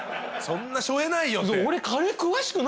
そんなしょえないよって。